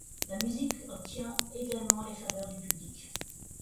La musique obtient également les faveurs du public.